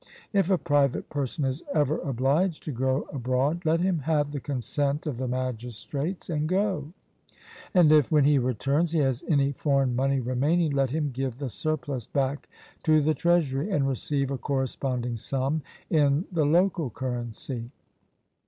If a private person is ever obliged to go abroad, let him have the consent of the magistrates and go; and if when he returns he has any foreign money remaining, let him give the surplus back to the treasury, and receive a corresponding sum in the local currency.